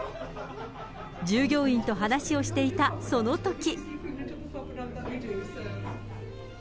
従業員と話をしていた、そのとき。